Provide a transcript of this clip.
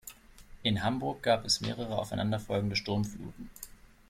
In Hamburg gab es mehrere aufeinanderfolgende Sturmfluten.